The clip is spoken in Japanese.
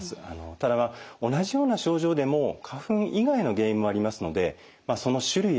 ただまあ同じような症状でも花粉以外の原因もありますのでその種類やですね